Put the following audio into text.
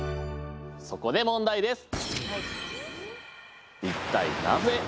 そこで問題です。